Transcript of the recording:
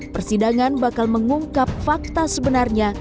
persidangan bakal mengungkap fakta sebenarnya